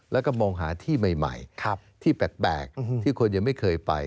แล้วก็มองหาที่ใหม่ที่แปลกที่คนยังไม่เคยไป